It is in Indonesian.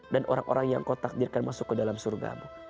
dan orang orang yang kau takdirkan masuk ke dalam surgamu